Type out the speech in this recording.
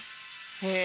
へえ。